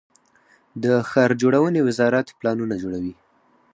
د ښار جوړونې وزارت پلانونه جوړوي